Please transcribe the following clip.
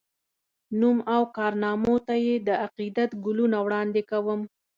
نوم او کارنامو ته یې د عقیدت ګلونه وړاندي کوم